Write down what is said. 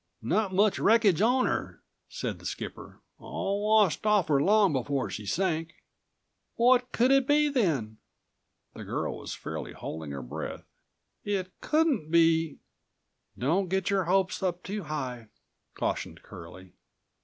"Not much wreckage on 'er," said the218 skipper. "All washed off 'er long before she sank." "What could it be then?" The girl was fairly holding her breath. "It couldn't be—" "Don't get your hopes up too high," cautioned Curlie.